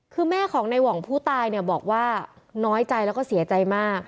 คือแม่ของในหว่องผู้ตายเนี่ยบอกว่าน้อยใจแล้วก็เสียใจมาก